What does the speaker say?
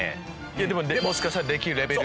もしかしたらできるレベル。